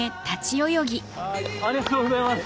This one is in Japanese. ありがとうございます。